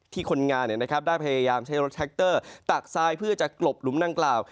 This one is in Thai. พยายามใช้รถแทรกเตอร์ตักซายเพื่อจะกลบหลุมด้านกล่าว